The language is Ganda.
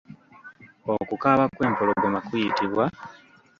Okukaaba kw'empologoma kuyitibwa?